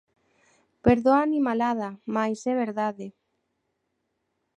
Perdoa a animalada, mais, é verdade!